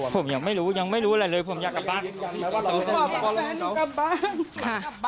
ผมอยากกับปั๊ก